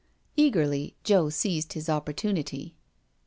Eagerly Joe seized his opportunity.